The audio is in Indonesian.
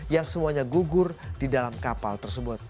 yang semuanya gugur di dalam kapal tersebut